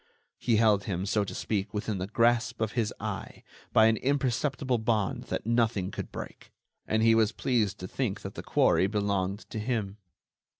He held him, so to speak, within the grasp of his eye, by an imperceptible bond that nothing could break. And he was pleased to think that the quarry belonged to him.